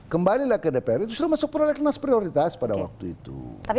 kembalilah ke dpr itu sudah masuk prolegnas prioritas pada waktu itu